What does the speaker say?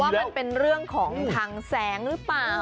มันเป็นเรื่องของทางแสงหรือเปล่า